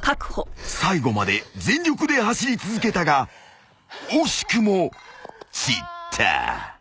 ［最後まで全力で走り続けたが惜しくも散った］